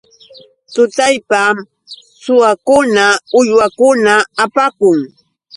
Tutallpam suwakuna uywakunata apakun.